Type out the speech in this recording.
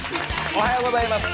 おはようございます。